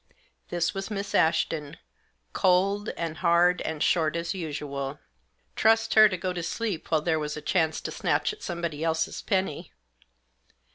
This was Miss Ashton, cold, and hard, and short as usual. Trust her to go to sleep while there was a chance to snatch at somebody else's penny